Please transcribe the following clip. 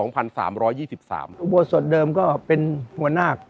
อุโบสถเดิมก็เป็นหัวหน้า